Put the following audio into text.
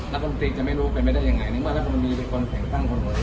ถ้าคนติดจะไม่รู้เป็นยังไงนึกว่านักบริษัทมีเป็นคนแข่งตั้งคนของตัวเอง